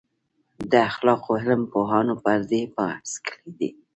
د اخلاقو علم پوهانو پر دې بحث کړی دی.